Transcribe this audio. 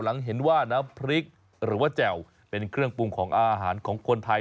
หลังเห็นว่าน้ำพริกหรือว่าแจ่วเป็นเครื่องปรุงของอาหารของคนไทย